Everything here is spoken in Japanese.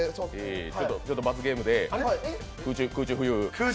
罰ゲームで空中浮遊。